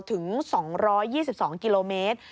ถึง๒๒กิโลเมตร